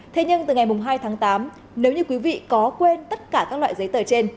thế nhưng từ ngày hai tháng tám nếu như quý vị có quên tất cả các loại giấy tờ trên